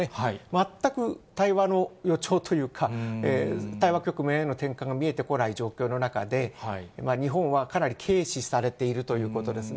全く対話の予兆というか、対話局面への転換が見えてこない状況の中で、日本はかなり軽視されているということですね。